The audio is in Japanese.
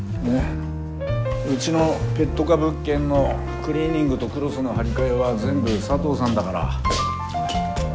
うちのペット可物件のクリーニングとクロスの張り替えは全部佐藤さんだから。